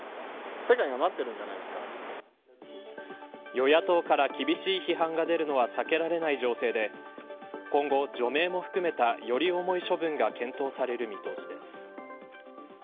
与野党から厳しい批判が出るのは避けられない情勢で今後、除名も含めたより重い処分が検討される見通しです。